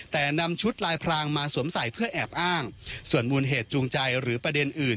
แต่นำชุดลายพรางมาสวมใส่เพื่อแอบอ้างส่วนมูลเหตุจูงใจหรือประเด็นอื่น